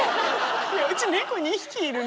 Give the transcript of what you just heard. うち猫２匹いるのに。